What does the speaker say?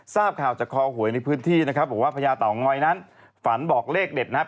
ทราบข่าวจากคอหวยในพื้นที่นะครับบอกว่าพญาเต่างอยนั้นฝันบอกเลขเด็ดนะครับ